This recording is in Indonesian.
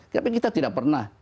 tapi kita tidak pernah